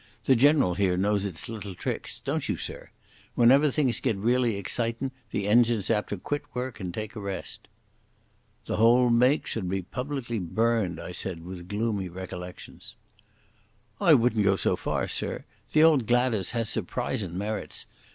The General here knows its little tricks. Don't you, sir? Whenever things get really excitin', the engine's apt to quit work and take a rest." "The whole make should be publicly burned," I said, with gloomy recollections. "I wouldn't go so far, sir. The old Gladas has surprisin' merits.